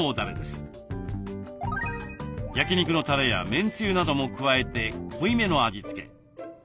焼き肉のたれやめんつゆなども加えて濃いめの味付け。